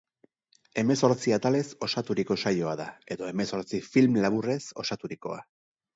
Hemezortzi atalez osaturiko saioa da, edo hemezortzi film laburrez osaturikoa.